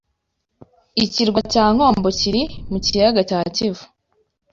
ikirwa cya Nkombo kiri mu kiyaga cya Kivu